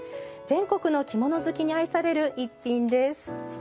全国の着物好きに愛される逸品です。